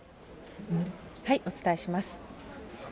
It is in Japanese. お伝えします。